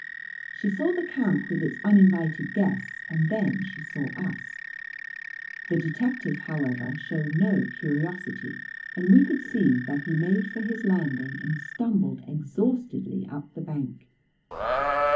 She saw the camp with its uninvited guests, and then she saw us. The detective, however, showed no curiosity; and we could see that he made for his landing and stumbled exhaustedly up the bank.